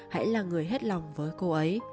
hãy là người hết lòng với cô ấy